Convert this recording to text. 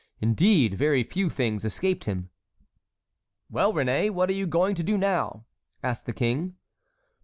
Indeed, very few things escaped him. "Well, Réné, what are you going to do now?" asked the king.